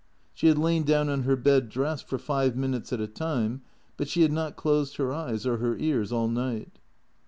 She had lain down on her bed, dressed, for five minutes at a time, but she had not closed her eyes or her ears all night.